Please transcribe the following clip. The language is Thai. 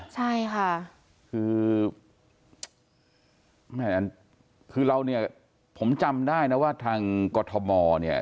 ใช่ค่ะคือแม่คือเราเนี่ยผมจำได้นะว่าทางกรทมเนี่ย